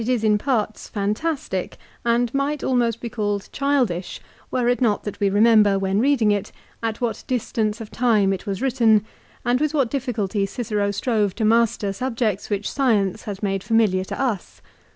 is in parts fantastic, and might almost be called childish were it not that we remember, when reading it, at what distance of time it was written, and with what difficulty Cicero strove to master subjects which science has made fami liar to tts.